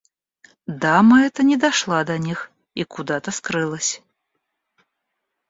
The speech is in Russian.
Дама эта не дошла до них и куда-то скрылась.